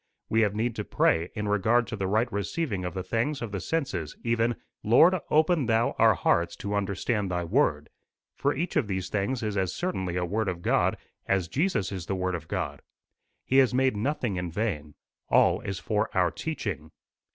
We have need to pray in regard to the right receiving of the things of the senses even, 'Lord, open thou our hearts to understand thy word;' for each of these things is as certainly a word of God as Jesus is the Word of God. He has made nothing in vain. All is for our teaching.